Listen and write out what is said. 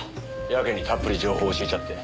やけにたっぷり情報教えちゃって。